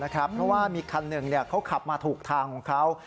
เพราะว่ามีคันหนึ่งเขาขับมาถูกทางของเขา